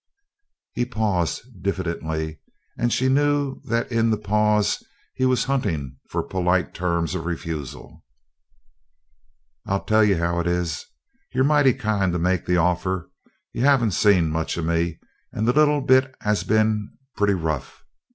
He paused, diffidently, and she knew that in the pause he was hunting for polite terms of refusal. "I'll tell you how it is. You're mighty kind to make the offer. You haven't seen much of me and that little bit has been pretty rough."